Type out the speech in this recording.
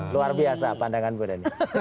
luar biasa pandangan gue